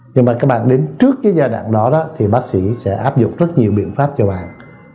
nhưng mà các bạn đến trước cái giai đoạn đó thì bác sĩ sẽ áp dụng rất nhiều biện pháp cho bạn